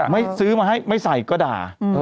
ไม่ซื้อมาให้ไม่ใส่ก็ด่า